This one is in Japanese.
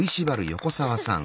横澤さん。